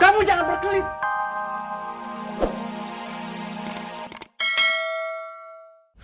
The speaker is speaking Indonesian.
kamu jangan berkelip